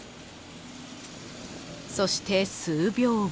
［そして数秒後］